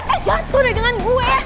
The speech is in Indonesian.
eh jatuh deh dengan gue